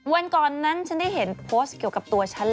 วันก่อนนั้นฉันได้เห็นโพสต์เกี่ยวกับตัวฉันเลย